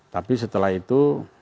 tapi setelah itu